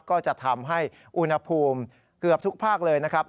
ก็จะทำให้อุณหภูมิเกือบทุกภาคเลยนะครับ